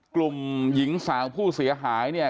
กลุ่มหญิงสาวผู้เสียหายเนี่ย